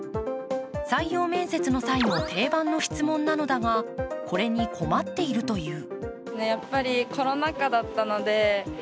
採用面接の際の定番の質問なのだが、これに困っているという。